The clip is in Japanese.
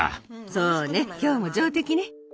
そうね今日も上出来ね。